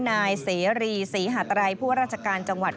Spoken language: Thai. นายเสรีศรีหาไตรผู้ราชการจังหวัด